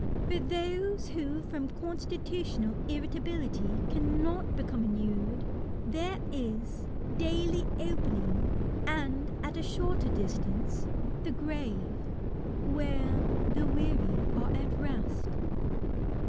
For those who from constitutional irritability cannot become inured, there is, daily opening, and at shorter distance, the grave, where " the weary are at rest."